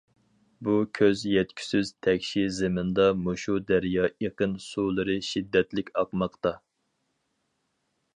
بۇ كۆز يەتكۈسىز تەكشى زېمىندا مۇشۇ دەريا ئېقىن سۇلىرى شىددەتلىك ئاقماقتا.